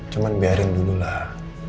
cuma biarin dulu lah